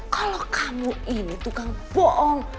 kalau kamu ini tukang bohong